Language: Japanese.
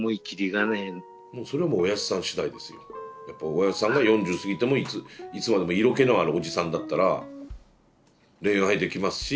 おやぢさんが４０過ぎてもいつまでも色気のあるおじさんだったら恋愛できますし。